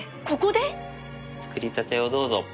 作りたてをどうぞ。